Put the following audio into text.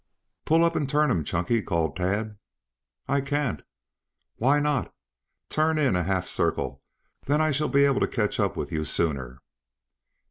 "Pull up and turn him, Chunky," called Tad. "I can't." "Why not? Turn in a half circle, then I shall be able to catch up with you sooner."